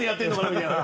みたいな。